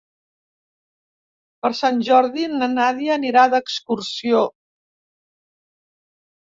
Per Sant Jordi na Nàdia anirà d'excursió.